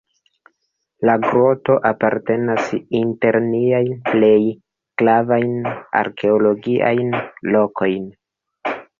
La groto apartenas inter niajn plej gravajn arkeologiajn lokojn.